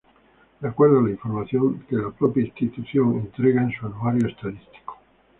De acuerdo a la información que la propia institución entrega en su anuario estadístico.